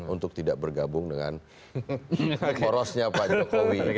untuk tidak bergabung dengan porosnya pak jokowi